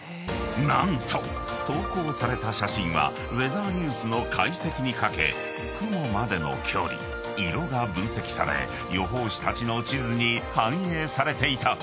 ［何と投稿された写真はウェザーニュースの解析にかけ雲までの距離色が分析され予報士たちの地図に反映されていた］